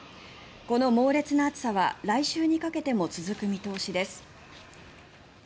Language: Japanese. この猛烈な暑さは来週にかけても続く見通しです。